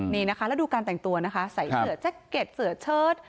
นี่นะคะแล้วดูการแต่งตัวนะคะใส่เสือแจ็คเก็ตเสือเชิด